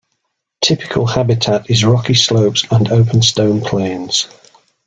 Typical habitat is rocky slopes and open stone plains.